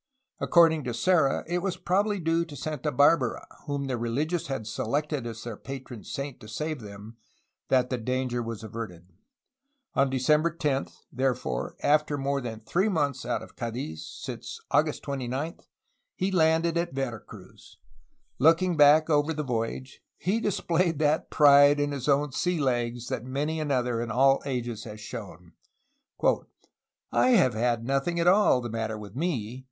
According to Serra it was probably due to Santa Barbara, whom the religious had selected as their patron saint to save them, that the danger was averted. On Decem ber 10, therefore, after more than three months out of Cddiz (since August 29), he landed at Vera Cruz. Looking back over the voyage he displayed that pride in his own sea legs that many another in all ages has shown : "I have had nothing at all the matter with me.